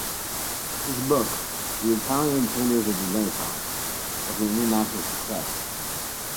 His book "The Italian Painters of the Renaissance" was an international success.